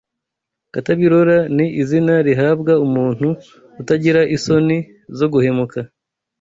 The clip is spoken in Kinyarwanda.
Katabirora ni izina rihabwa umuntu utagira isoni zo guhemuka